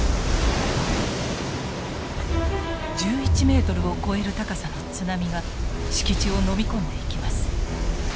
１１メートルを超える高さの津波が敷地をのみ込んでいきます。